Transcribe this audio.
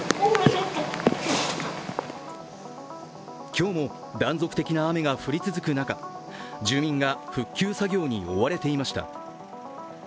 今日も断続的な雨が降り続く中住民が復旧作業に追われていました。